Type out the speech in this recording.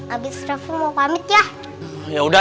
abis itu aku mau pamit ya